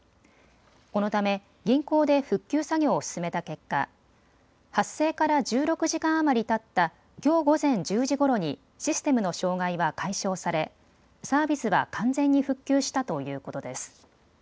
このため銀行で復旧作業を進めた結果、発生から１６時間余りたったきょう午前１０時ごろにシステムの障害は解消されサービスは完全に復旧したということです。